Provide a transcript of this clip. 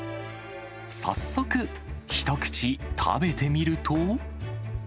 早速、一口食べてみると。